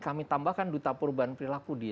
kami tambahkan duta perubahan perilaku dia